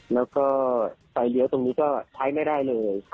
แล้วก็ไฟเลี้ยวตรงนี้ก็ใช้ไม่ได้เลย